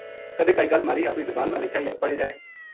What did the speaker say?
کَدے کائی گل مھاری اپنی زبان ما لکھے یا پڑھے جائے